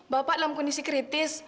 bapak dalam kondisi kritis